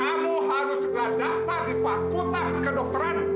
kamu harus segera daftar di fakultas kedokteran